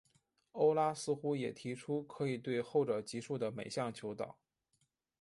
欧拉似乎也提出可以对后者级数的每项求导。